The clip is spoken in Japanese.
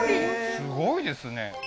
すごいですね